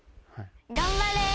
頑張れ。